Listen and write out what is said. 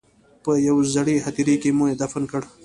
په یوې زړې هدیرې کې مې دفن کړې.